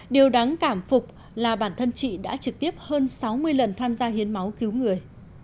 điều đáng cảm phục là bản thân chị đã trực tiếp hơn sáu mươi lần tham gia hiến máu cứu người